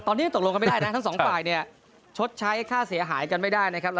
ตอนนี้ยังตกลงกันไม่ได้นะทั้งสองฝ่ายเนี่ยชดใช้ค่าเสียหายกันไม่ได้นะครับ